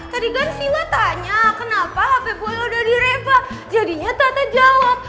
tadi kan sila tanya kenapa hp boy lo udah di reva jadinya tata jawab